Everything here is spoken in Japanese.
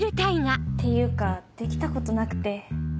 っていうかできたことなくて。